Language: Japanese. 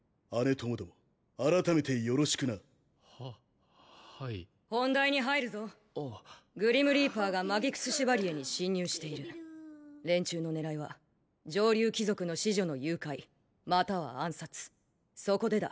ともども改めてよろしくなははい本題に入るぞグリムリーパーがマギクス・シュバリエに侵入している連中の狙いは上流貴族の子女の誘拐または暗殺そこでだ